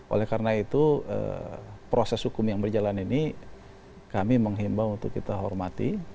oleh karena itu proses hukum yang berjalan ini kami menghimbau untuk kita hormati